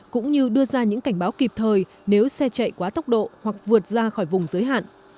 cũng như đưa ra những cảnh báo kịp thời nếu xe chạy quá tốc độ hoặc vượt ra khỏi vùng giới hạn